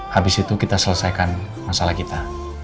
habis itu kita selesaikan masalah kita